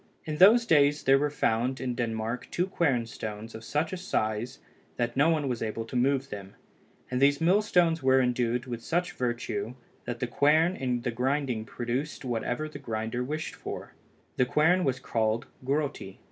In those days there were found in Denmark two quern stones of such a size, that no one was able to move them, and these mill stones were endued with such virtue, that the quern in grinding produced whatever the grinder wished for. The quern was called Grotti.